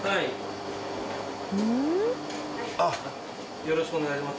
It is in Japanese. よろしくお願いします。